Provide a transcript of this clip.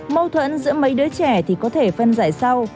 mâu thuẫn giữa mấy đứa trẻ thì có thể phân giải sau